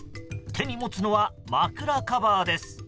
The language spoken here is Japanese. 手に持つのは枕カバーです。